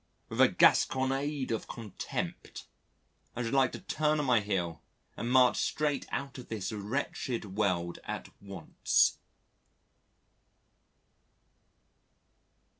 With a gasconnade of contempt, I should like to turn on my heel and march straight out of this wretched world at once.